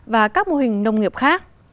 và các mô hình nông nghiệp khác